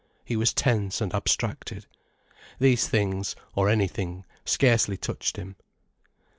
He was tense and abstracted. These things, or anything, scarcely touched him.